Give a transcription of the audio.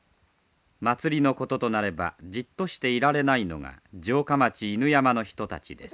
祭りのこととなればじっとしていられないのが城下町犬山の人たちです。